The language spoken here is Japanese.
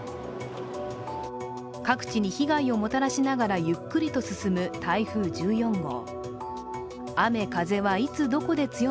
各地に被害をもたらしながらゆっくりと進む台風１４号。